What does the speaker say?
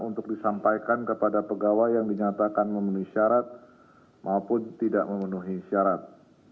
untuk disampaikan kepada pegawai yang dinyatakan memenuhi syarat maupun tidak memenuhi syarat